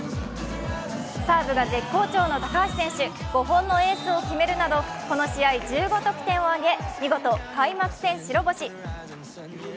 サーブが絶好調の高橋選手、５本のエースを決めるなどこの試合１５得点を挙げ見事、開幕戦白星。